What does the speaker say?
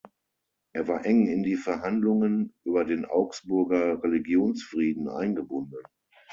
Er war eng in die Verhandlungen über den Augsburger Religionsfrieden eingebunden.